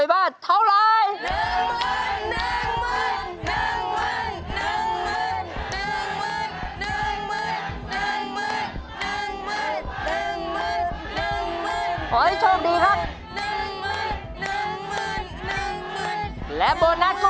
๕๐๐๐บาทครับ